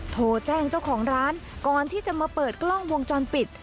โทรแจ้งเจ้าของร้านก่อนที่จะมาเปิดกล้องวงจรปิด